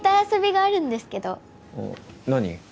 遊びがあるんですけど何？